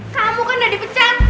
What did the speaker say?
kamu kan udah dipecat